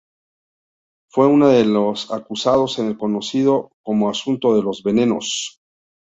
Fue una de los acusados en el conocido como asunto de los venenos.